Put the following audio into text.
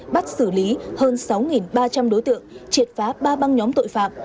bắt xử lý hơn sáu ba trăm linh đối tượng triệt phá ba băng nhóm tội phạm